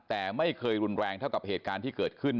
แต่ไม่เคยรุนแรงเท่ากับเหตุการณ์ที่เกิดขึ้น